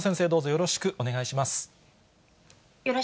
よろしくお願いします。